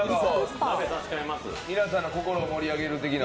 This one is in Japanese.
皆さんの心を盛り上げるみたいな。